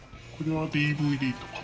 これはＤＶＤとか。